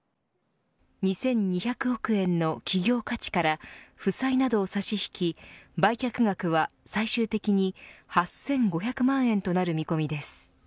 ２２００億円の企業価値から負債などを差し引き売却額は最終的に８５００万円となる見込みです。